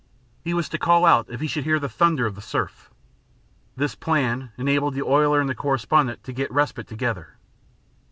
He was to call out if he should hear the thunder of the surf. This plan enabled the oiler and the correspondent to get respite together.